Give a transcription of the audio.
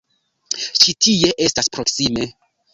Ĉi tie estas proksime.